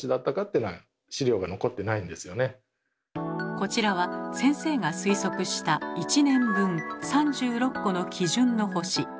こちらが先生が推測した１年分３６個の基準の星。